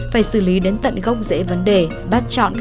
phải xử lý đến tận gốc dễ dàng